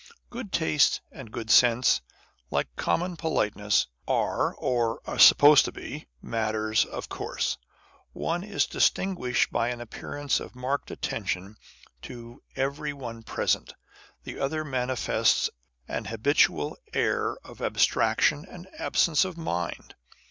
Good taste and good sense, like common politeness, are, or are sup posed to be, matters of course. One is distinguished by an appearance of marked attention to every one present ; the other manifests an habitual air of abstraction and absence of mind.